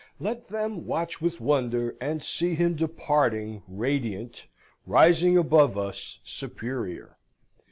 Let them watch with wonder, and see him departing, radiant; rising above us superior.